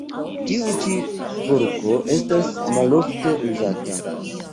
Tiu ĉi vorto estas malofte uzata.